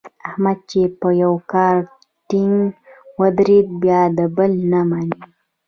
احمد چې په یوه کار ټینګ ودرېږي بیا د بل نه مني.